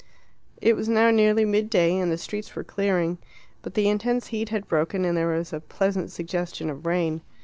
It was now nearly midday, and the streets were clearing. But the intense heat had broken, and there was a pleasant suggestion of rain.